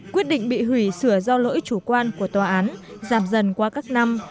quyết định bị hủy sửa do lỗi chủ quan của tòa án giảm dần qua các năm